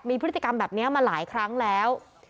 มีพฤติกรรมแบบนี้มาหลายครั้งแล้ว